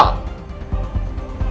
tolong jangan rusak itu